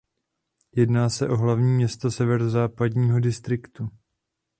Jedná se o hlavní město Severozápadního distriktu.